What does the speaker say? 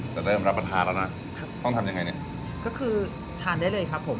จะเริ่มรับปัญหาแล้วนะครับต้องทำยังไงเนี่ยก็คือทานได้เลยครับผม